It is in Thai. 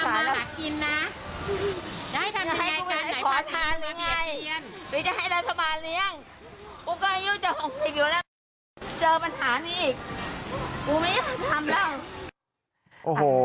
เจอปัญหานี่กูไม่อยากทำแล้ว